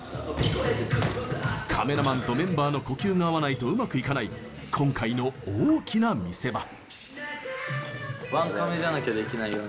カメラマンとメンバーの呼吸が合わないとうまくいかない今回の大きな見せ場。